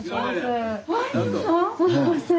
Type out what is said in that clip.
すいません。